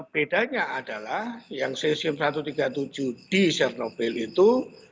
bedanya adalah yang cesium satu ratus tiga puluh tujuh di senobel itu